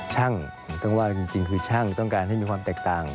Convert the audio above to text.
ช่างผมต้องว่าจริงคือช่างต้องการให้มีความแตกต่าง